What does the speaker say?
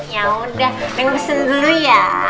yaudah neng pesen dulu ya